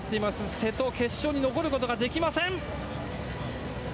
瀬戸、決勝に残ることができません。